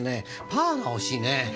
パワーが欲しいね。